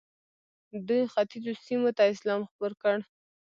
دوی ختیځو سیمو ته اسلام خپور کړ.